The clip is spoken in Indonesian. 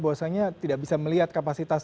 bahwasanya tidak bisa melihat kapasitas